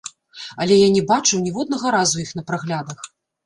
Але я не бачыў ніводнага разу іх на праглядах.